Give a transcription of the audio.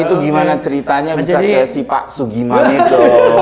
itu gimana ceritanya bisa kayak si pak sugiman itu